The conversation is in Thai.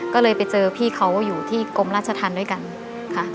ก็เลยไปเจอพี่เขาอยู่ที่กรมราชธรรมด้วยกันค่ะ